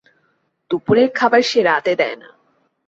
দুপুরের খাবার সে রাতে দেয় না।